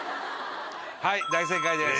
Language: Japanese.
はい大正解です。